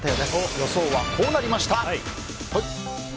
予想はこうなりました。